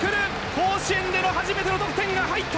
甲子園での初めての得点が入った！